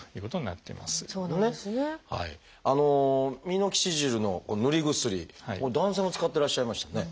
ミノキシジルの塗り薬男性も使ってらっしゃいましたね。